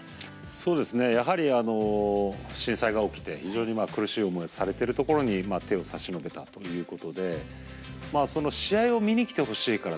そうですねやはり震災が起きて非常に苦しい思いをされてるところに手を差し伸べたということで試合を見に来てほしいからとかですね